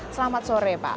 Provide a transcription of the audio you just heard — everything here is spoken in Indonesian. selamat sore pak